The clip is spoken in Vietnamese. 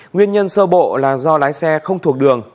nguyên nhân sơ bộ là do lái xe không thuộc đường